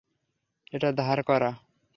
এটা ধার করা।